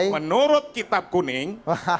menurut kitab kuning